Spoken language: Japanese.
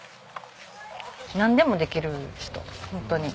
なんでもできる人ホントに。